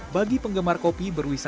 bagi penggemar kopi berwisata